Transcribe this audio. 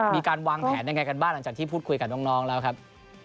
มีการวางแผนยังไงกันบ้างหลังจากที่พูดคุยกับน้องแล้วครับ